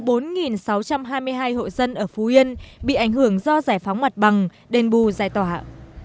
trong đó một sáu trăm hai mươi hai hộ dân ở phú yên bị ảnh hưởng do giải phóng mặt bằng đền bù giải tỏa